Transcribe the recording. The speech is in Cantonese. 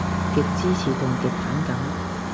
極支持同極反感